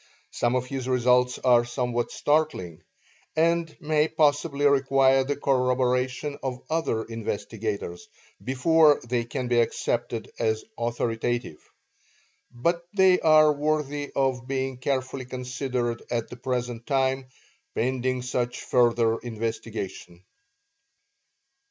Some of his results are somewhat startling, and may possibly require the corroboration of other investigators before they can be accepted as authoritative; but they are worthy of being carefully considered at the present time, pending such further investigation.